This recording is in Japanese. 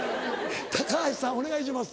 高橋さんお願いします。